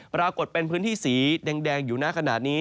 ปรากฏเป็นพื้นที่สีแดงอยู่หน้าขนาดนี้